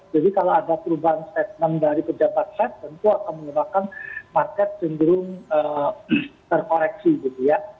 jadi kalau ada perubahan statement dari pejabat fed tentu akan menyebabkan market cenderung terkoreksi gitu ya